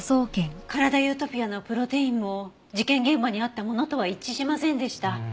からだゆーとぴあのプロテインも事件現場にあったものとは一致しませんでした。